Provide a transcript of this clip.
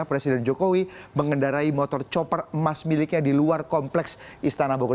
presiden jokowi mengendarai motor chopper emas miliknya di luar kompleks istana bogor